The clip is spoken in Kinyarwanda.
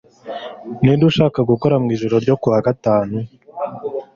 Ninde ushaka gukora mwijoro ryo kuwa gatanu?